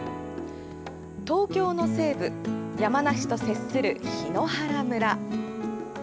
東京の西部山梨と接する檜原村。